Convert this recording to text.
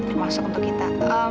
termasuk untuk kita